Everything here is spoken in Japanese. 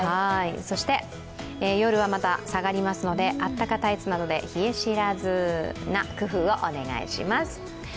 そして夜はまた下がりますのであったかタイツなどで冷え知らずな工夫をお願いします。